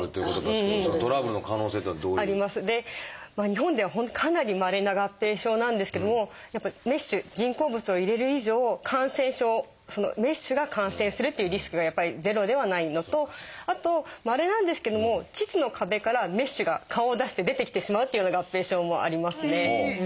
日本では本当かなりまれな合併症なんですけどもメッシュ人工物を入れる以上感染症メッシュが感染するというリスクがゼロではないのとあとまれなんですけども腟の壁からメッシュが顔を出して出てきてしまうというような合併症もありますね。